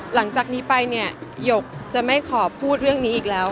หลังจากนี้ไปเนี่ยหยกจะไม่ขอพูดเรื่องนี้อีกแล้ว